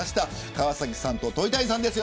川崎さんと鳥谷さんです。